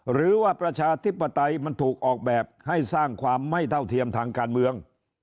ประชาธิปไตยมันถูกออกแบบให้สร้างความไม่เท่าเทียมทางการเมือง